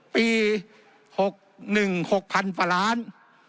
ปี๖๑๖๐๐๐บาท